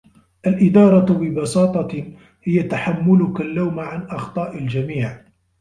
الإدارة' ببساطة هي تحملك اللوم عن أخطاء الجميع.